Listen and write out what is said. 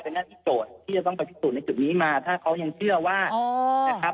แต่งั้นอีกโจทย์ที่จะต้องควรพิสูจน์ในจุดนี้มาถ้างับเขายังเชื่อว่า